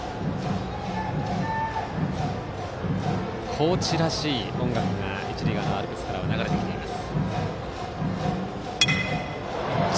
高知らしい音楽が一塁側のアルプスから流れてきています。